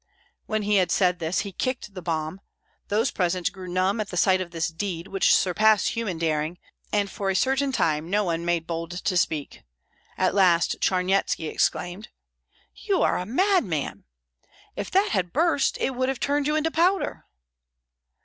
When he had said this, he kicked the bomb, those present grew numb at sight of this deed, which surpassed human daring, and for a certain time no one made bold to speak; at last Charnyetski exclaimed, "You are a madman! If that had burst, it would have turned you into powder!"